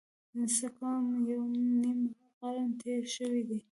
څه کم یو نیم قرن تېر شوی دی.